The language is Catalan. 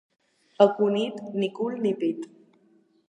A Cunit, ni cul ni pit.